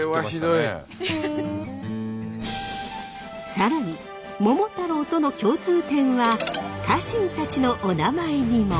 更に「桃太郎」との共通点は家臣たちのおなまえにも。